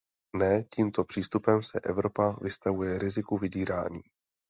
Ne, tímto přístupem se Evropa vystavuje riziku vydírání.